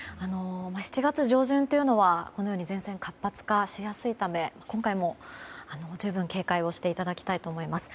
７月上旬というのは前線が活発化しやすいため今回も十分、警戒をしていただきたいと思います。